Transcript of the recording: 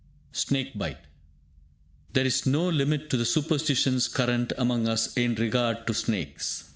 _) SNAKE BITE There is no limit to the superstitions current among us in regard to snakes.